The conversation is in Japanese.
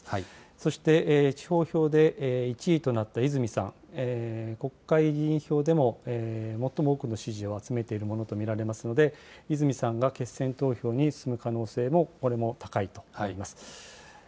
そして地方票で１位となった泉さん、国会議員票でも最も多くの支持を集めているものと見られますので、泉さんが決選投票に進む可能性も、これも高いと思います。